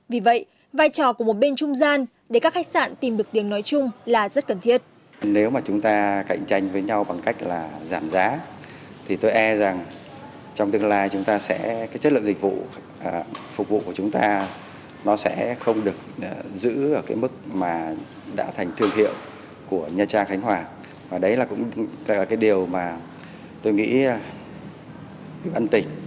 vì vậy vai trò của một bên trung gian để các khách sạn tìm được tiếng nói chung là rất cần thiết